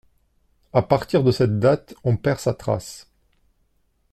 À partir de cette date on perd sa trace.